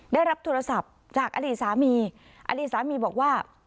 ได้รับโทรศัพท์จากอดีตสามีอดีตสามีบอกว่า